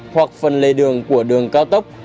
hoặc phần lề đường của đường cao tốc